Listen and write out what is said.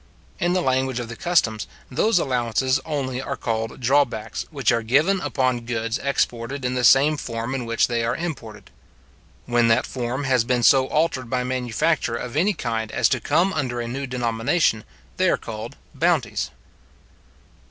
In the language of the customs, those allowances only are called drawbacks which are given upon goods exported in the same form in which they are imported. When that form has been so altered by manufacture of any kind as to come under a new denomination, they are called bounties.